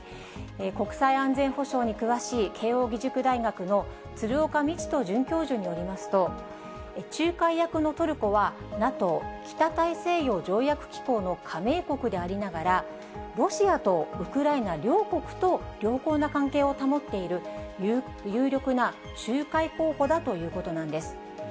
国際安全保障に詳しい慶応義塾大学の鶴岡路人准教授によりますと、仲介役のトルコはＮＡＴＯ・北大西洋条約機構の加盟国でありながら、ロシアとウクライナ両国と良好な関係を保っている、有力な仲介候補だということなんです。